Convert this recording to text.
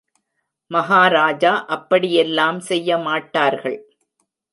மகாராஜா அப்படி எல்லாம் செய்ய மாட்டார்கள்.